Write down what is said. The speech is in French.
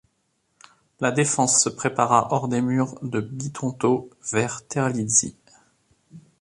La défense se prépara hors des murs de Bitonto vers Terlizzi.